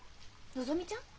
のぞみちゃん？